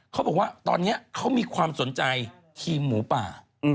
เขาบอกว่าตอนนี้เขามีความสนใจทีมหมูป่า